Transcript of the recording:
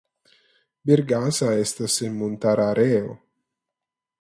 Bergasa estas en montara areo.